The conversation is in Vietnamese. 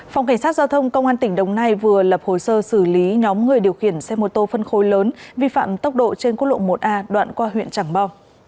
phòng cảnh sát giao thông công an tỉnh đồng nai vừa lập hồ sơ xử lý nhóm người điều khiển xe mô tô phân khối lớn vi phạm tốc độ trên quốc lộ một a đoạn qua huyện trảng bom